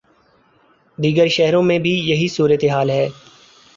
دیگر شہروں میں بھی یہی صورت حال ہے۔